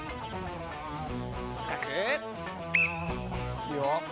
いいよ。